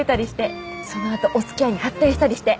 そのあとおつきあいに発展したりして。